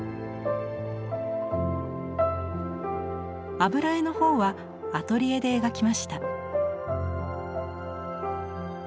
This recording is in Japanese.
油絵の方はアトリエで描きました。